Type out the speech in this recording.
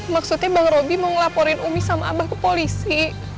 maksudnya bang roby mau ngelaporin umi sama abah ke polisi